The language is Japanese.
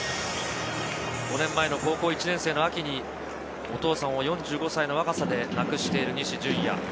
５年前の高校１年生の秋にお父さんを４５歳の若さで亡くしている西純矢。